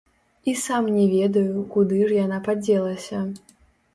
І сам не ведаю, куды ж яна падзелася.